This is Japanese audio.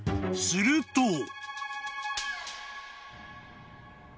［すると］